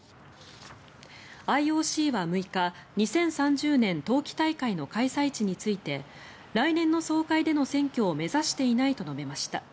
ＩＯＣは６日２０３０年冬季大会の開催地について来年の総会での選挙を目指していないと述べました。